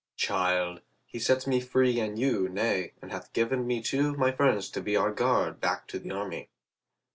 "Child, he sets me free and you, nay, and hath given me two of my friends to be our guard back to the army."